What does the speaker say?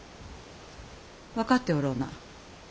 分かっておろうな。